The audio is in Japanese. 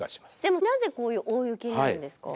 でもなぜこういう大雪になるんですか？